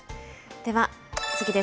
では次です。